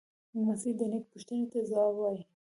لمسی د نیکه پوښتنې ته ځواب وايي.